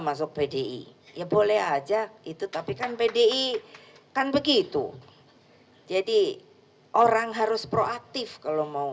masuk pdi ya boleh aja itu tapi kan pdi kan begitu jadi orang harus proaktif kalau mau